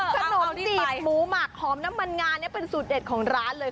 ขนมจีบหมูหมักหอมน้ำมันงาเนี่ยเป็นสูตรเด็ดของร้านเลย